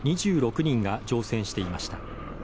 ２６人が乗船していました。